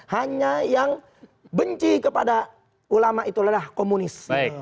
hanya yang benci kepada ulama itu adalah komunis